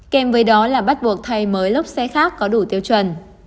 kèm với đó là bắt buộc thay mới lốp xe khác có đủ tiêu chuẩn